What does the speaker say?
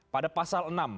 pada pasal enam